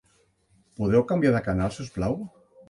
Podeu canviar de canal, si us plau?